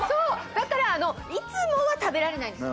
だから、いつもは食べられないんですよ。